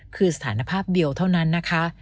คือสถานภาพเดียวเท่านั้นนะคะ